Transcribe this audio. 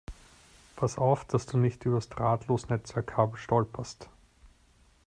Pass auf, dass du nicht übers Drahtlosnetzwerk-Kabel stolperst!